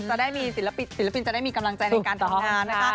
จะได้มีศิลปินศิลปินจะได้มีกำลังใจในการทำงานนะคะ